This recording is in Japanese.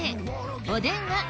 お電話